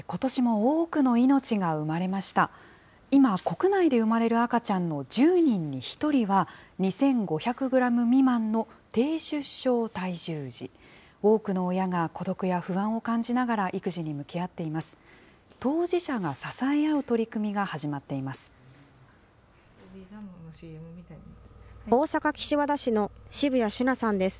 多くの親が孤独や不安を感じながら育児に向き合っています。